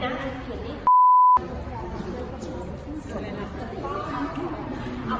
มันยังมีรู้สึกแบบมันยังมีรู้สึกตัวตัวตัว